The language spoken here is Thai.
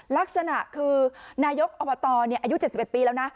ลักษณะคือนายกอบตอายุ๗๑ปีแล้วนะ